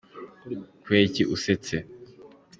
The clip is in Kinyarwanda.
Kubera iki usetse?